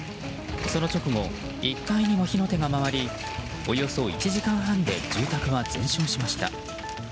その直後、１階にも火の手が回りおよそ１時間半で住宅は全焼しました。